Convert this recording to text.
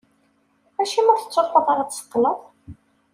Acimi ur tettruḥuḍ ara ad d-tṣeṭṭleḍ?